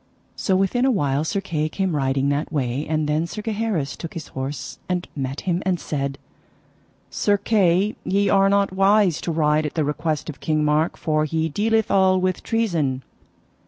So within a while Sir Kay came riding that way, and then Sir Gaheris took his horse and met him, and said: Sir Kay, ye are not wise to ride at the request of King Mark, for he dealeth all with treason.